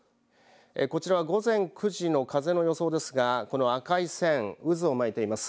こちらは午前９時の風の予想ですがこの赤い線渦を巻いています。